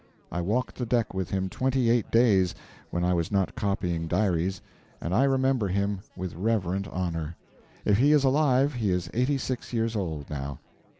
I walked the deck with him twenty eight days when I was not copying diaries, and I remember him with reverent honour. If he is alive he is eighty six years old now.